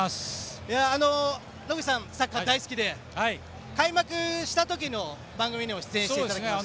野口さんサッカー大好きで開幕したときの番組にも出演していただきました。